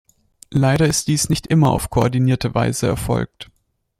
Leider ist dies nicht immer auf koordinierte Weise erfolgt.